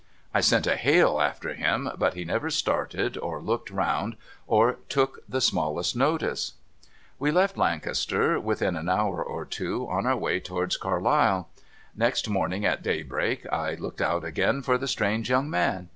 I sent a hail after him, but he never started or looked round, or took the smallest notice. AVe left Lancaster within an liour or two, on our way towards Carlisle. Next morning, at daybreak, I looked out again for the strange young man.